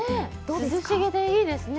涼しげでいいです。